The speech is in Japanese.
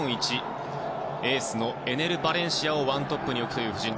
エースの、エネル・バレンシアを１トップに置く布陣。